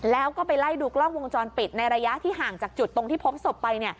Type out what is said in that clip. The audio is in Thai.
แล้วก็ไปไล่ดูกล้องวงจรปิดในระยะที่ห่างจากจุดตรงที่พบศพไป